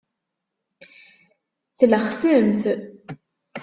Tlexsemt.